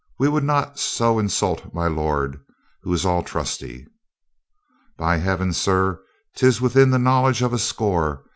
We would not so insult my lord, who is all trusty." "By Heaven, sir, 'tis within the knowledge of a score.